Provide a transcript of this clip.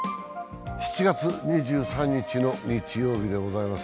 ７月２３日の日曜日でございます。